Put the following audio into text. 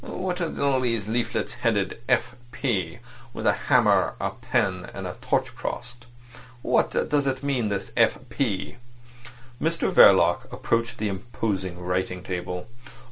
"What are all these leaflets headed F. P., with a hammer, pen, and torch crossed? What does it mean, this F. P.?" Mr Verloc approached the imposing writing table.